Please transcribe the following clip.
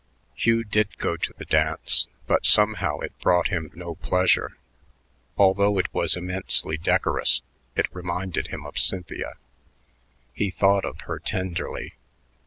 Hugh did go to the dance, but somehow it brought him no pleasure. Although it was immensely decorous, it reminded him of Cynthia. He thought of her tenderly.